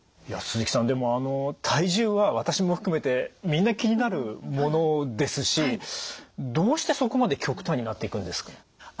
いや鈴木さんでも体重は私も含めてみんな気になるものですしどうしてそこまで極端になっていくんですか？